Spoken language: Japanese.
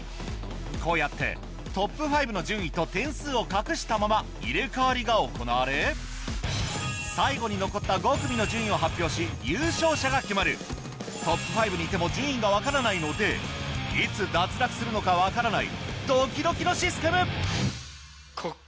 こうやってＴＯＰ５の順位と点数を隠したまま入れ替わりが行われ最後に残った５組の順位を発表し優勝者が決まるＴＯＰ５にいても順位が分からないのでいつ脱落するのか分からないドキドキのシステム！